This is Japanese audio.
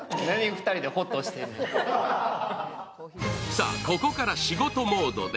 さあ、ここから仕事モードで。